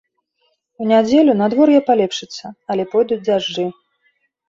У нядзелю надвор'е палепшыцца, але пойдуць дажджы.